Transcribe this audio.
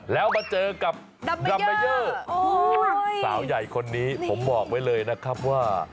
แล้วมาเจอกับดัมเมเยอร์สาวใหญ่คนนี้ผมบอกไว้เลยนะครับว่า